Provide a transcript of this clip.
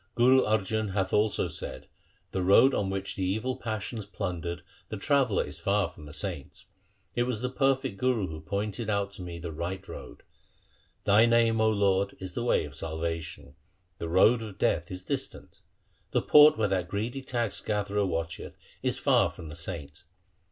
1 ' Guru Arjan hath also said :— The road on which the evil passions plundered The traveller is far from the saints. It was the perfect Guru who pointed out to me the right road. Thy name, 0 Lord, is the way of salvation ; the road of Death is distant. The port where that greedy tax gatherer watcheth Is far from the saint.